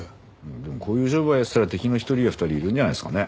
でもこういう商売やってたら敵の１人や２人いるんじゃないですかね？